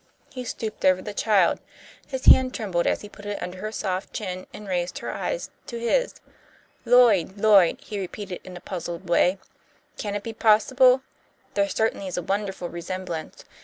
He stooped over the child. His hand trembled as he put it under her soft chin and raised her eyes to his. "Lloyd, Lloyd!" he repeated, in a puzzled way. "Can it be possible? There certainly is a wonderful resemblance.